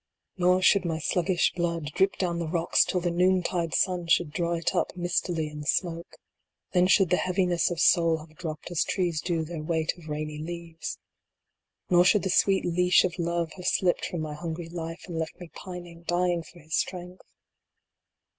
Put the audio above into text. Nor should my sluggish blood drip down the rocks till the noon tide sun should draw it up mistily in smoke. Then should the heaviness of soul have dropped as trees do their weight of rainy leaves. Nor should the sweet leash of Love have slipped from my hungry life, and left me pining, dying for his strength.